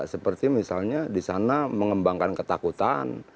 seperti misalnya di sana mengembangkan ketakutan